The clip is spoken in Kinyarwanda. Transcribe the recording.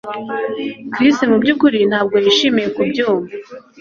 Chris mubyukuri ntabwo yishimiye kubyumva